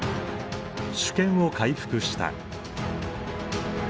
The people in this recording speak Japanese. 主権を回復した。